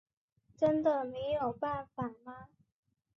真的没有办法吗？